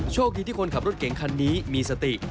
โชคดีที่คนขับรถเก่งคันนี้มีสติ